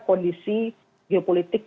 kondisi geopolitik yang